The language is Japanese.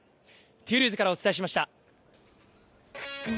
トゥールーズからお伝えしました。